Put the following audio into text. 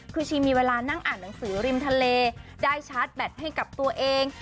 คือชีมีเวลานั่งอ่านหนังสือริมทะเลได้ชาร์จแบตให้กับตัวเอง